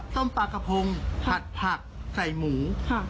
ปลากระพงผัดผักใส่หมู